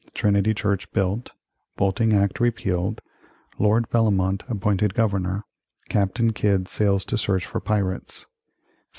Trinity Church built Bolting Act repealed Lord Bellomont appointed Governor Captain Kidd sails to search for pirates 1697.